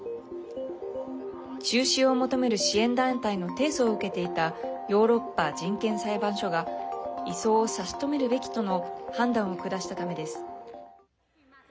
中止を求める支援団体の提訴を受けていたヨーロッパ人権裁判所が移送を差し止めるべきとの判断を下したためです。